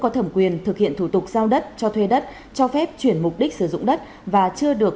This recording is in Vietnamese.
có thẩm quyền thực hiện thủ tục giao đất cho thuê đất cho phép chuyển mục đích sử dụng đất và chưa được